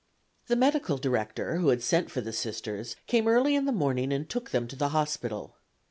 The medical director, who had sent for the Sisters, came early in the morning and took them to the hospital.